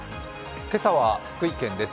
今朝は福井県です。